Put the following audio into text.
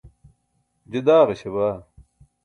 je daaġaśa baa